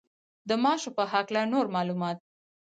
د ماشو په هکله نور معلومات.